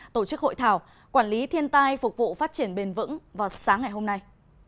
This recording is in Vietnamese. tổ chức hội thảo quản lý thiên tai phục vụ phát triển bền vững vào sáng ngày hôm nay